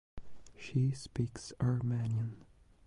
She speaks Armenian.